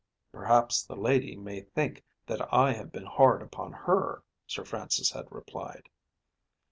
"Perhaps the lady may think that I have been hard upon her," Sir Francis had replied.